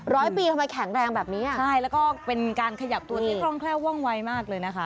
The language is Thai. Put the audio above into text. ร้อยปีทำไมแข็งแรงแบบนี้อ่ะใช่แล้วก็เป็นการขยับตัวที่คล่องแคล่วว่องไวมากเลยนะคะ